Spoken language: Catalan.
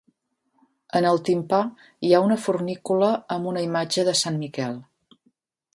En el timpà hi ha una fornícula amb una imatge de sant Miquel.